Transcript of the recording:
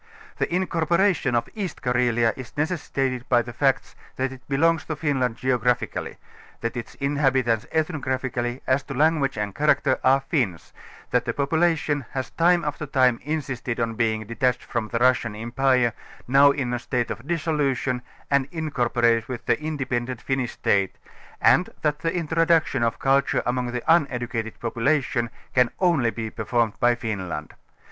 The incorporation of East Carelia is necessitated by the facts thatitJielongs to Finlnnd geo graphically, that its inhabit^tsethWgraphically, as to lan guage and character, are Finns, that the population has time after time insisted on being detached from the Russian em pire, now in a state of dissolution, and incorporated with the independent Finnish state, and that the introduction of culture among the uneducated population can only be per formed by Finland.